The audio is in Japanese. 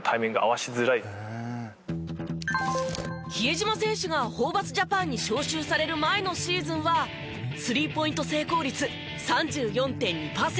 比江島選手がホーバスジャパンに招集される前のシーズンはスリーポイント成功率３４．２パーセント。